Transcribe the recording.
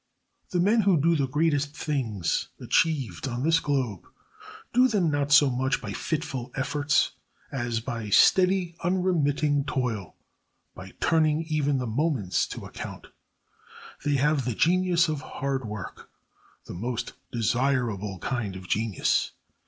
The men who do the greatest things achieved on this globe do them not so much by fitful efforts as by steady, unremitting toil—by turning even the moments to account. They have the genius of hard work—the most desirable kind of genius.